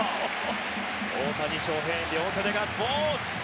大谷翔平、両手でガッツポーズ。